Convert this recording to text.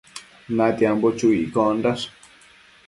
Natiambo chu iccondash